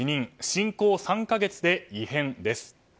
侵攻３か月で異変です。